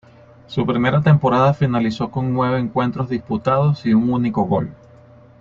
Su primera temporada finalizó con nueve encuentros disputados y un único gol.